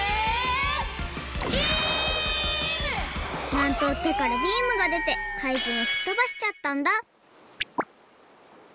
なんとてからビームがでてかいじんをふっとばしちゃったんだ！